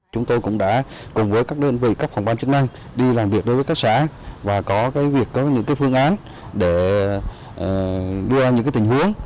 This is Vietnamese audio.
chúng tôi cũng đã cùng với các đơn vị cấp phòng quan chức năng đi làm việc với các xã và có những phương án để đưa ra những tình huống